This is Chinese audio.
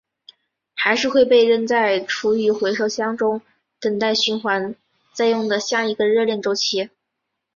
还是会被扔在厨余回收箱中等待循环再用的下一个热恋周期？